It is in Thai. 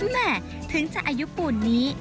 แม่ถึงจะอายุปูนนี้